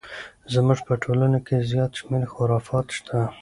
زموږ په ټولنه کې زیات شمیر خرافات شته!